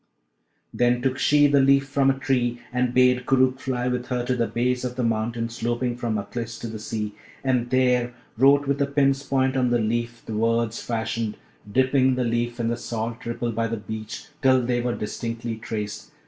Then took she the leaf from a tree and bade Koorookh fly with her to the base of the mountain sloping from Aklis to the sea, and there wrote with a pin's point on the leaf the words fashioned, dipping the leaf in the salt ripple by the beach, till they were distinctly traced.